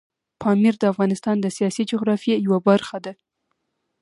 پامیر د افغانستان د سیاسي جغرافیې یوه برخه ده.